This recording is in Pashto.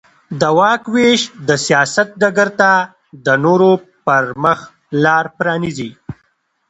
د واک وېش د سیاست ډګر ته د نورو پرمخ لار پرانېزي.